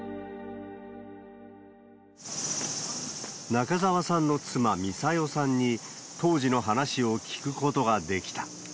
中沢さんの妻、ミサヨさんに、当時の話を聞くことができた。